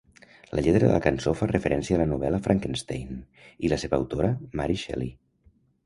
La lletra de la cançó fa referència a la novel·la "Frankenstein" i la seva autora Mary Shelley.